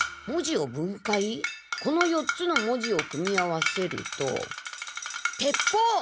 この４つの文字を組み合わせると鉄砲！